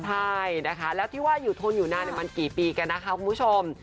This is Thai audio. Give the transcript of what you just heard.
ใช่นะคะแล้วที่ว่าอยู่ทนอยู่นานมันกี่ปีกันนะคะคุณผู้ชม